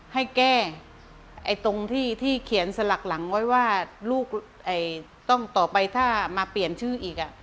ให้แก้ตรงที่เขียนสลักหลังไว้ว่าลูกต้องต่อไปถ้ามาเปลี่ยนชื่ออีก